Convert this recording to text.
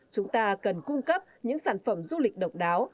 chúng ta cần cung cấp những sản phẩm du lịch độc đáo